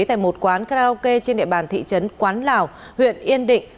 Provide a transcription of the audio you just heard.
tại một quán karaoke trên địa bàn thị trấn quán lào huyện yên định